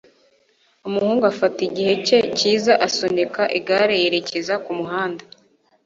umuhungu afata igihe cye cyiza asunika igare yerekeza kumuhanda